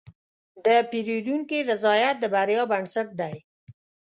د پیرودونکي رضایت د بریا بنسټ دی.